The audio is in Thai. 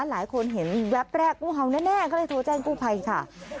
หลายคนเห็นแวบแรกงูเห่าแน่ก็เลยโทรแจ้งกู้ภัยค่ะ